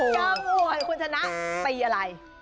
กล้ามห่วงคุณชนะปีอะไร